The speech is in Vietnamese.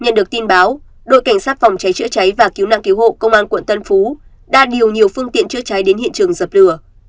nhận được tin báo đội cảnh sát phòng cháy chữa cháy và cứu nạn cứu hộ công an quận tân phú đã điều nhiều phương tiện chữa cháy đến hiện trường dập lửa